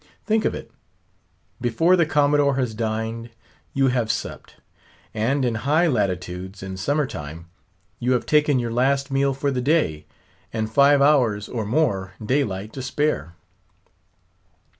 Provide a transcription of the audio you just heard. Think of it! Before the Commodore has dined, you have supped. And in high latitudes, in summer time, you have taken your last meal for the day, and five hours, or more, daylight to spare!